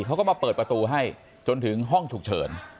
เขาก็มาเปิดประตูให้จนถึงห้องฉุกเฉิน